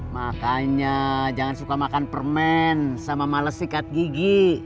makanya jangan suka makan permen sama males sikat gigi